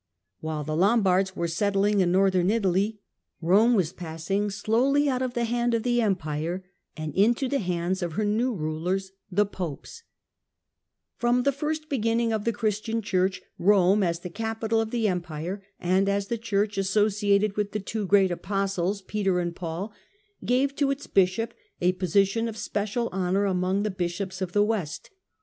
While the Lombards were settling in Northern Italy, Rome was passing slowly out of the hand of the Empire and into the hands of her new rulers, the Popes. Rise of the From the first beginning of the Christian Church, Papacy Rome, as the capital of the Empire, and as the Church associated with the two great apostles Peter and Paul, gave to its bishop a position of special honour among the bishops of the west.